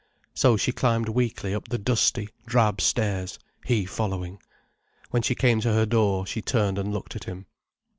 So she climbed weakly up the dusty, drab stairs, he following. When she came to her door, she turned and looked at him.